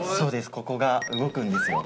ここが動くんですよ。